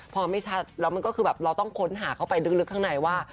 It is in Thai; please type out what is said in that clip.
พอไม่ชัดแล้วมันก็คือแบบเราต้องค้นหาเข้าไปลึกข้างในว่า